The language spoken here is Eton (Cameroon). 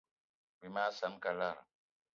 Bí mag saan kalara.